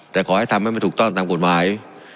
แต่ขอให้ทำให้มันถูกต้องตามกฎหมาย